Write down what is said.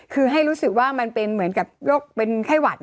คือให้รู้สึกว่ามันเป็นเหมือนกับโรคเป็นไข้หวัด